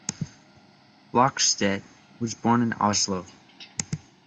Brockstedt was born in Oslo.